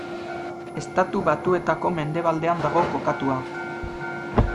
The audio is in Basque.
Estatu Batuetako mendebaldean dago kokatua.